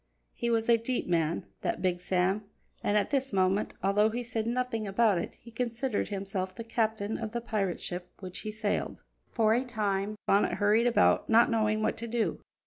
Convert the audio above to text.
He was a deep man, that Big Sam, and at this moment, although he said nothing about it, he considered himself the captain of the pirate ship which he sailed. For a time Bonnet hurried about, not knowing what to do.